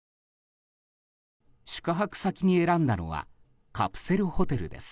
宿泊先に選んだのはカプセルホテルです。